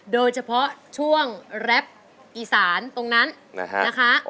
โดยเฉพาะช่วงแรปอีสานตรงนั้นนะคะ